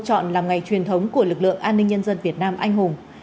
chọn làm ngày truyền thống của lực lượng an ninh nhân dân việt nam anh hùng